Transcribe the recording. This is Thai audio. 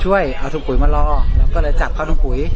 ช่วยเอาถุงปุ๋ยมารอเราก็เลยจับเข้าถุงปุ๋ย